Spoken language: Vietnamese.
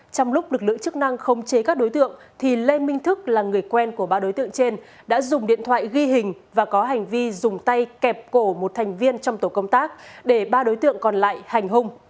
trong lúc lực lượng chức năng không chế các đối tượng thì lê minh thức là người quen của ba đối tượng trên đã dùng điện thoại ghi hình và có hành vi dùng tay kẹp cổ một thành viên trong tổ công tác để ba đối tượng còn lại hành hung